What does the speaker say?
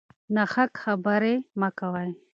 ناحق خبرې مه کوئ.